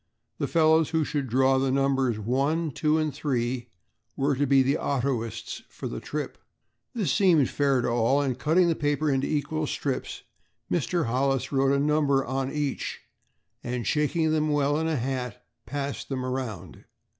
The fellows who should draw the numbers one, two and three were to be the autoists for the trip. This seemed fair to all, and cutting the paper into equal strips Mr. Hollis wrote a number on each and, shaking them well in a hat passed them around.